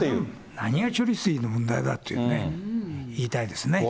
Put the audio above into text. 何を処理水の問題だって言いたいよね。